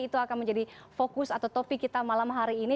itu akan menjadi fokus atau topik kita malam hari ini